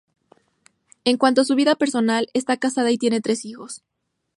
En cuanto a su vida personal, está casada y tiene tres hijos.